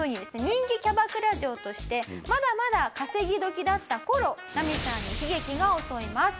人気キャバクラ嬢としてまだまだ稼ぎ時だった頃ナミさんに悲劇が襲います。